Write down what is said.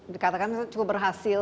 dikatakan cukup berhasil